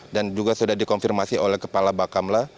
dan juga sudah dikonfirmasi oleh kepala bakamla